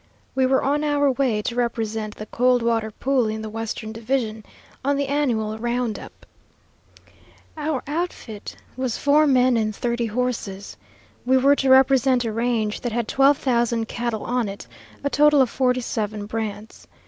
We were on our way to represent the Coldwater Pool in the western division, on the annual round up. Our outfit was four men and thirty horses. We were to represent a range that had twelve thousand cattle on it, a total of forty seven brands.